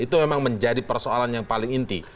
itu memang menjadi persoalan yang paling inti